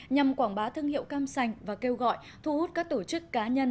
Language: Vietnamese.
nhằm quảng bá thương hiệu cam sành và kêu gọi thu hút các tổ chức cá nhân